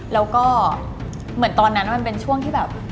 แล้วก็เหมือนตอนนั้นมันเป็นช่วงที่แบบ